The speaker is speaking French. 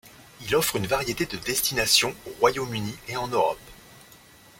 Il offre une variété de destinations au Royaume-Uni et en Europe.